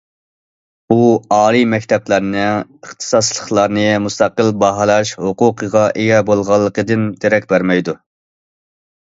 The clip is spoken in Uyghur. بۇ، ئالىي مەكتەپلەرنىڭ ئىختىساسلىقلارنى مۇستەقىل باھالاش ھوقۇقىغا ئىگە بولغانلىقىدىن دېرەك بېرىدۇ.